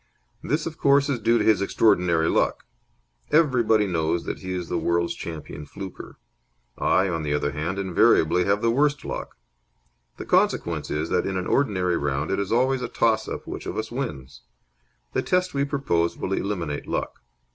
This, of course is due to his extraordinary luck. Everybody knows that he is the world's champion fluker. I, on the other hand, invariably have the worst luck. The consequence is that in an ordinary round it is always a toss up which of us wins. The test we propose will eliminate luck.